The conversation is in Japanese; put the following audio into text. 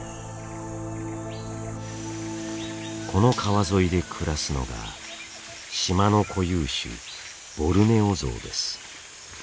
この川沿いで暮らすのが島の固有種ボルネオゾウです。